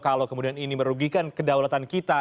kalau kemudian ini merugikan kedaulatan kita